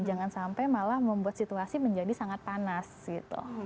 jangan sampai malah membuat situasi menjadi sangat panas gitu